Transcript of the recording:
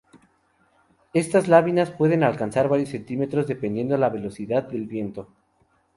Estas láminas pueden alcanzar varios centímetros, dependiendo de la velocidad del viento.